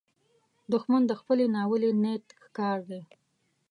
دښمن د خپل ناولي نیت ښکار دی